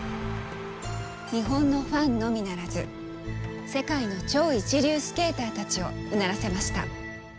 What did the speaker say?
日本のファンのみならず世界の超一流スケーターたちをうならせました。